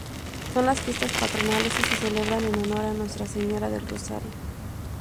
Son las Fiestas Patronales y se celebran en honor a Nuestra Señora del Rosario.